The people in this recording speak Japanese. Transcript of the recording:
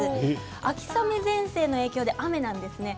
秋雨前線の影響で雨なんですね。